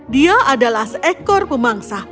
dia adalah seekor pemangsa